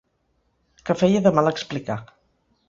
Que feia de mal explicar.